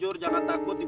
ini pak bagus deh